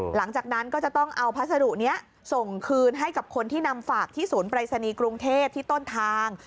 หลังจากนั้นก็จะต้องเอาพัสดุนี้ส่งคืนให้กับคนที่นำฝากที่ศูนย์ปรายศนีย์กรุงเทพที่ต้นทาง